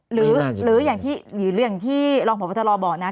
หรืออย่างที่หรืออย่างที่รองผู้ประวัติศาสตร์บอกนะ